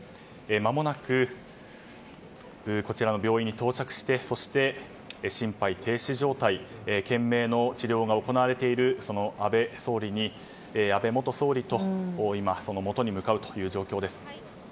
まもなくこちらの病院に到着してそして、心肺停止状態懸命の治療が行われている安倍元総理のもとに向かうという状況です。